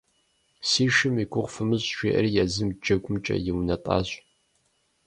«Си шым и гугъу фымыщӀ», – жиӀэри езым джэгумкӀэ иунэтӀащ.